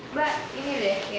mbak ini deh